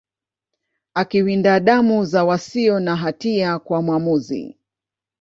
akiwinda damu za wasio na hatia kwa mwamuzi